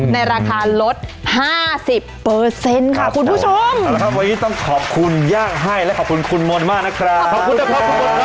ในราคารลด๕๐เปอร์เซ็นต์ค่ะคุณผู้ชมวันนี้ต้องขอบคุณยากให้และขอบคุณคุณมนต์มากนะคะขอบคุณค่ะ